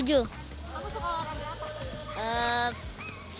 kamu suka olahraga apa